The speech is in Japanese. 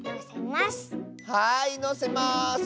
はいのせます！